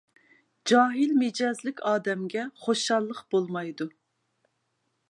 جاھىل مىجەزلىك ئادەمگە خۇشاللىق بولمايدۇ.